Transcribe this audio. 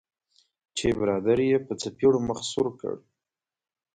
چې برادر یې په څپیړو مخ سور کړ.